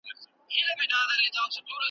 خو دربیږي په سینو کي لکه مات زاړه ډولونه ,